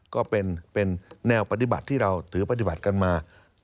ก็เป็นแนวปฏิบัติที่เราถือปฏิบัติกันมา